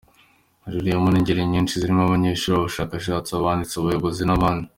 Rihuriwemo n’ingeri nyinshi zirimo abanyeshuli, abashakashatsi, abanditsi, abayobozi, n’abandi.